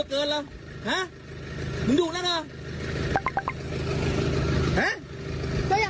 เอาไม่เอา